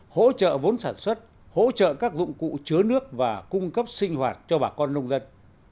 hỗ trợ vốn sản xuất hỗ trợ các dụng cụ chứa nước và cung cấp sinh hoạt cho bà con nông dân